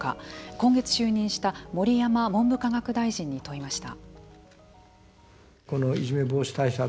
今月就任した盛山文部科学大臣に問いました。